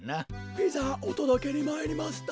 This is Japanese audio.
ピザおとどけにまいりました。